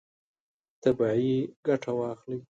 طبیعي ګټه واخلئ.